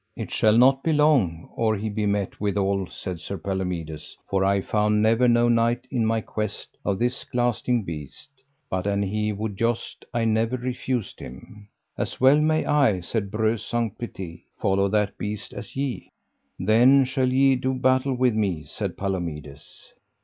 It shall not be long or he be met withal, said Sir Palomides, for I found never no knight in my quest of this glasting beast, but an he would joust I never refused him. As well may I, said Breuse Saunce Pité, follow that beast as ye. Then shall ye do battle with me, said Palomides.